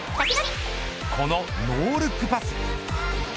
このノールックパス。